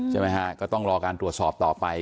ใช่ไหมฮะก็ต้องรอการตรวจสอบต่อไป